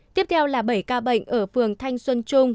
tiếp theo là bảy ca bệnh ở phường thanh xuân hà nội